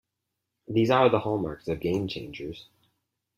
These are the hallmarks of game changers.